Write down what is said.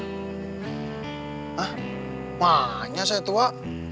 hah emangnya saya tua